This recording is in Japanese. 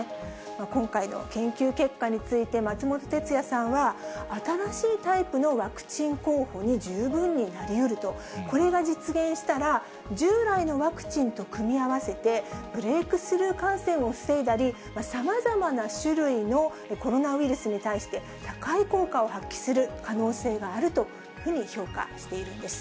今回の研究結果について、松本哲哉さんは、新しいタイプのワクチン候補に十分になりうると、これが実現したら、従来のワクチンと組み合わせて、ブレークスルー感染を防いだり、さまざまな種類のコロナウイルスに対して、高い効果を発揮する可能性があるというふうに評価しているんです。